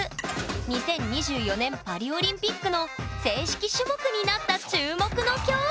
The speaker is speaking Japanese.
２０２４年パリオリンピックの正式種目になった注目の競技！